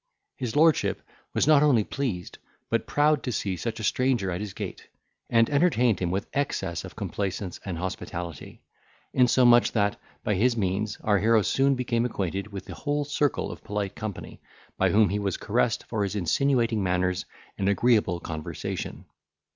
His lordship was not only pleased, but proud to see such a stranger at his gate, and entertained him with excess of complaisance and hospitality; insomuch that, by his means, our hero soon became acquainted with the whole circle of polite company, by whom he was caressed for his insinuating manners and agreeable conversation.